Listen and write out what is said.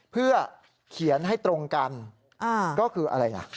เพื่อเขียนให้ตรงกันก็คืออะไรล่ะ